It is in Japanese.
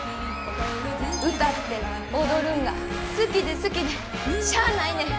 歌って踊るんが好きで好きでしゃあないねん。